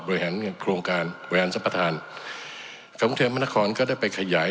บริหารโครงการบริหารทรัพย์ทางของกรุงเทพฯมหานครก็ได้ไปขยาย